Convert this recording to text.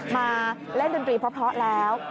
มาเล่นดินตรีเพราะเพราะแล้ว